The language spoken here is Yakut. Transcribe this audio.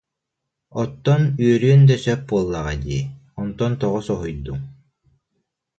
Оттон үөрүөн да сөп буоллаҕа дии, онтон тоҕо соһуйдуҥ